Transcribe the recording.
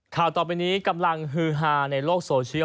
ข่าวต่อไปนี้กำลังฮือฮาในโลกโซเชียล